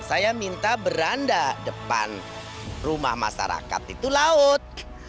saya minta beranda depan rumah masyarakat itu laut